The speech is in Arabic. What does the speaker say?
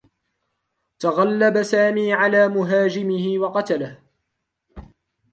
تغلّب سامي على مهاجمه و قتله.